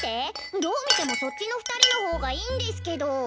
どう見てもそっちの２人のほうがいいんですけど！